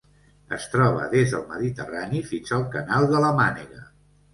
Es troba des del Mediterrani fins al canal de la Mànega.